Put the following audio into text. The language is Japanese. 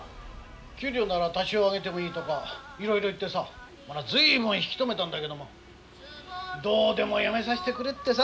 給料なら多少上げてもいいとかいろいろ言ってさ随分引き止めたんだけどもどうでも辞めさせてくれってさ。